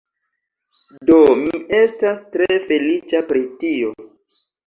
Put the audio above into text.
Do, mi estas tre feliĉa pri tio